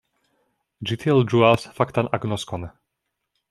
Ĝi tiel ĝuas faktan agnoskon.